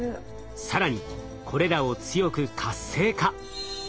更にこれらを強く活性化。